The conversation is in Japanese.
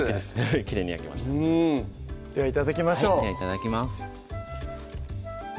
きれいに焼けましたでは頂きましょうはいいただきます